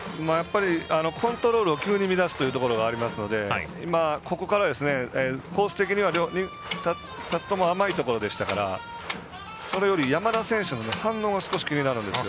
コントロールを急に乱すというところがありますからここから、コース的には２つとも甘いところでしたからそれより山田選手の反応が少し気になるんですよ。